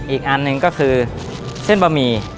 อีกอันหนึ่งก็คือเส้นบะหมี่